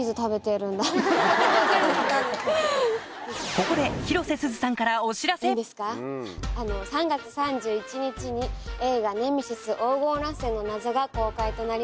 ここで３月３１日に『映画ネメシス黄金螺旋の謎』が公開となります。